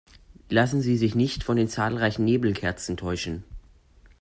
Lassen Sie sich nicht von den zahlreichen Nebelkerzen täuschen!